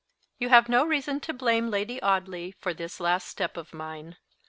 "You have no reason to blame Lady Audley for this last step of mine.